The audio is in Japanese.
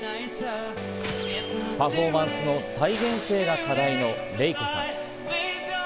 パフォーマンスの再現性が課題のレイコさん。